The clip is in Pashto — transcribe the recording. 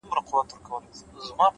نظم د بریالۍ ورځې چوکاټ دی’